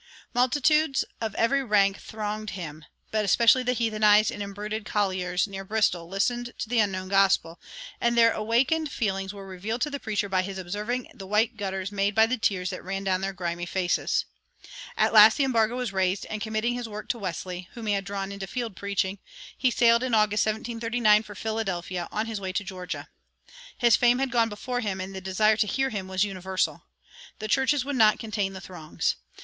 Multitudes of every rank thronged him; but especially the heathenized and embruted colliers near Bristol listened to the unknown gospel, and their awakened feelings were revealed to the preacher by his observing the white gutters made by the tears that ran down their grimy faces. At last the embargo was raised, and committing his work to Wesley, whom he had drawn into field preaching, he sailed in August, 1739, for Philadelphia, on his way to Georgia. His fame had gone before him, and the desire to hear him was universal. The churches would not contain the throngs.